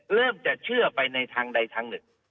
เริ่มจะเชื่อไปในทางใดทางหนึ่ง